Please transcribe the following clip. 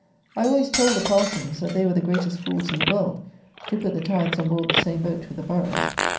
I always told the parsons, that they were the greatest fools in the world to put the tithes on board the same boat with the boroughs.